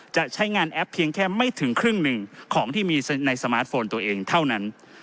จะใช้งานแอปเพียงแค่ไม่ถึงครึ่งหนึ่งของที่มีในสมาร์ทโฟนตัวเองเท่านั้น